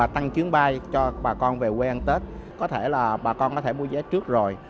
tăng chuyến bay cho bà con về quê ăn tết có thể là bà con có thể mua vé trước rồi